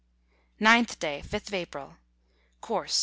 9th day, 5th April. Course, N.